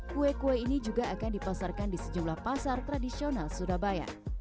kue kue ini juga akan dipasarkan di sejumlah pasar tradisional surabaya